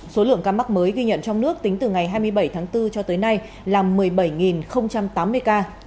số lượng ca mắc mới ghi nhận trong nước tính từ ngày hai mươi bảy tháng bốn cho tới nay là một mươi bảy tám mươi ca